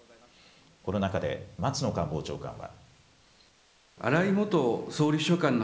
この中で松野官房長官は。